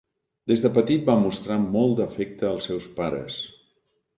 Des de petit va mostrar molt d'afecte als seus pares.